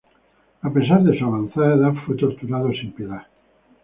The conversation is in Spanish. A pesar de su avanzada edad, fue torturado sin piedad.